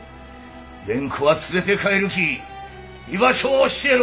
蓮子は連れて帰るき居場所を教えろ！